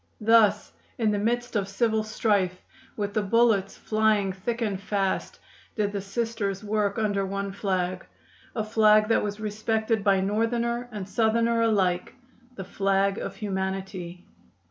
Thus in the midst of civil strife, with the bullets flying thick and fast, did the Sisters work under one flag a flag that was respected by Northerner and Southerner alike the flag of humanity.